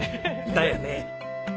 だよね。